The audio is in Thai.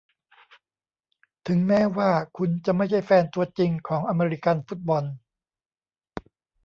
ถึงแม้ว่าคุณจะไม่ใช่แฟนตัวจริงของอเมริกันฟุตบอล